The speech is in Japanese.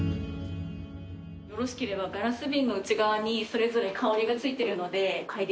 よろしければガラス瓶の内側にそれぞれ香りが付いてるので嗅いでいただくと。